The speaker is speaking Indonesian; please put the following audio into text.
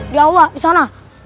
di aula di sana